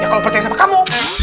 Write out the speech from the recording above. kalau percaya sama kamu